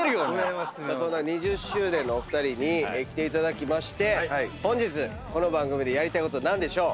そんな２０周年のお二人に来ていただきまして本日この番組でやりたいこと何でしょう？